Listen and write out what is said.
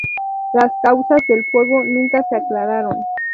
Las causas del fuego nunca se aclararon.